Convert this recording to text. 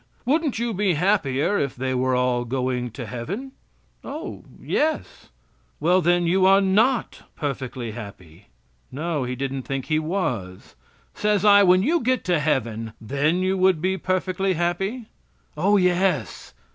"Wouldn't you be happier if they were all going to heaven?" "O, yes." "Well, then you are not perfectly happy?" "No, he didn't think he was." Says I: "When you get to heaven, then you would be perfectly happy?" "Oh, yes."